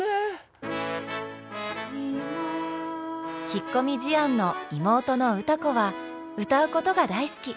引っ込み思案の妹の歌子は歌うことが大好き。